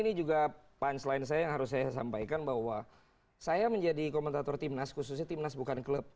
ini juga punchline saya yang harus saya sampaikan bahwa saya menjadi komentator timnas khususnya timnas bukan klub